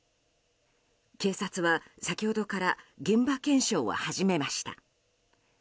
警察は、先ほどから現場検証を始めました。